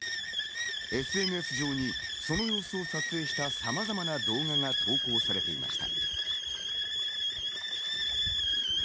ＳＮＳ上にその様子を撮影したさまざまな動画が投稿されていました。